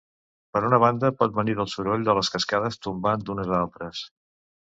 Per una banda pot venir del soroll de les cascades tombant d'unes a altres.